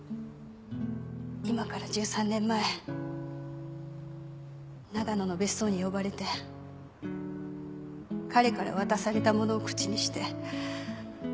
今から１３年前長野の別荘に呼ばれて彼から渡されたものを口にして私は殺されかけた